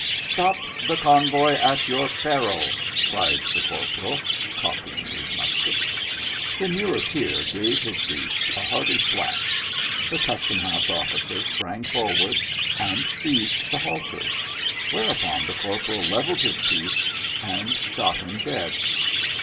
" Stop the convoy at your peril !" cried the cor poral, cocking his musket. " Muleteer, proceed." The muleteer gave his beast a hearty thwack, the custom house officer sprang forward, and seized the halter; whereupon the corporal levelled his piece and shot him dead.